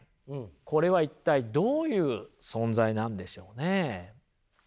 これは一体どういう存在なんでしょうね。